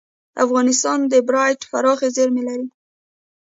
افغانستان د بیرایت پراخې زیرمې لري.